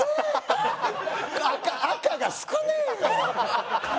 赤が少ねえよ！